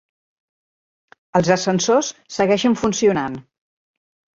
Els ascensors segueixen funcionant.